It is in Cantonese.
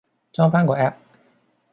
裝返個 app